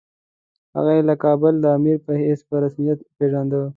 هغه یې د کابل د امیر په حیث په رسمیت وپېژانده.